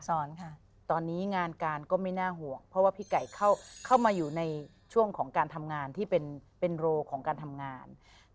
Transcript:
สอนค่ะตอนนี้งานการก็ไม่น่าห่วงเพราะว่าพี่ไก่เข้ามาอยู่ในช่วงของการทำงานที่เป็นโรของการทำงาน